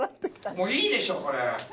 もういいでしょこれ。